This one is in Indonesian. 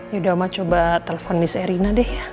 ya udah om coba telepon di seri rina deh ya